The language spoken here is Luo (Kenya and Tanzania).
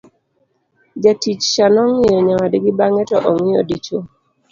jatich cha nongiyo nyawadgi bang'e to ong'iyo dichuo